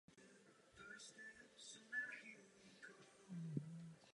Pro demokratickou instituci, jakou Parlament je, to má velký význam!